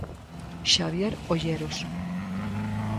Xabier Olleros.